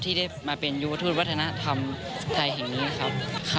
ที่ได้มาเป็นยูทูตวัฒนธรรมไทยแห่งนี้ครับ